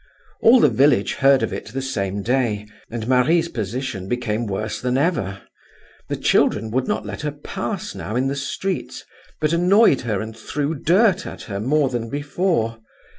All the village heard of it the same day, and Marie's position became worse than ever. The children would not let her pass now in the streets, but annoyed her and threw dirt at her more than before.